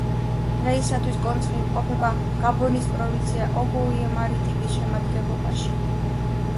დღეისათვის კონცხი იმყოფება გაბონის პროვინცია ოგოუე-მარიტიმის შემადგენლობაში.